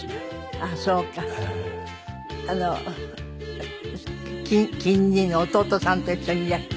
あの錦兄の弟さんと一緒にいらした。